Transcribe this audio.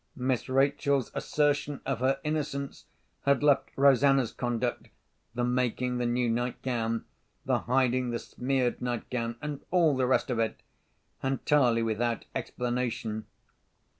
Miss Rachel's assertion of her innocence had left Rosanna's conduct—the making the new nightgown, the hiding the smeared nightgown, and all the rest of it—entirely without explanation.